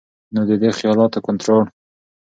نو د دې خيالاتو کنټرول